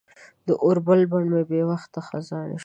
د اوربل بڼ مې بې وخته خزان شوی